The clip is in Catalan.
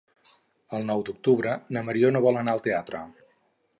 El nou d'octubre na Mariona vol anar al teatre.